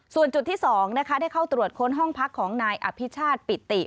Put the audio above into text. ส่วนจุดที่๒นะคะได้เข้าตรวจค้นห้องพักของนายอภิชาติปิติ